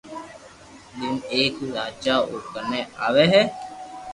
دن ايڪ راجا او ڪني آوي ھي